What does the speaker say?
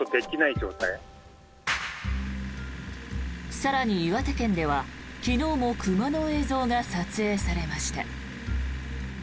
更に、岩手県では、昨日も熊の映像が撮影されました。